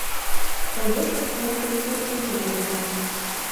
Ольошын оҥжым тул семын когарта.